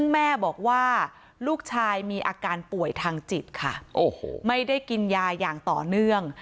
แม่บอกว่าลูกชายมีอาการป่วยทางจิตค่ะไม่ได้กินยาอย่างต่อเนื่อง